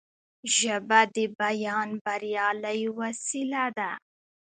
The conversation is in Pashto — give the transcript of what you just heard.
ژبه د بیان بریالۍ وسیله ده